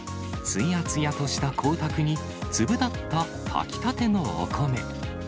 つやつやとした光沢に、粒立った炊きたてのお米。